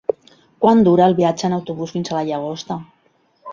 Quant dura el viatge en autobús fins a la Llagosta?